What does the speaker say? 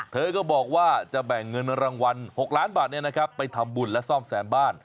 เธอก็บอกว่าจะแบ่งเงินรางวัล๖ล้านบาทไปทำบุญและซ่อมแซมบ้าน